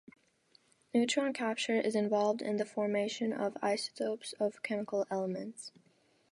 Neutron capture is involved in the formation of isotopes of chemical elements.